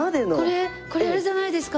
これこれあれじゃないですか？